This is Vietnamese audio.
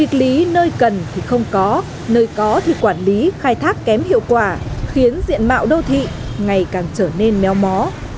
nghịch lý nơi cần thì không có nơi có thì quản lý khai thác kém hiệu quả khiến diện mạo đô thị ngày càng trở nên méo mó